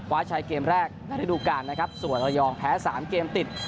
ใช้เกมแรกในฤดูการนะครับส่วนระยองแพ้สามเกมติด